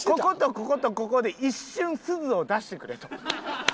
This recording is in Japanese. こことこことここで一瞬すずを出してくれと。